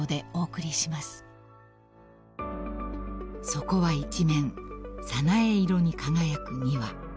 ［そこは一面早苗色に輝く庭］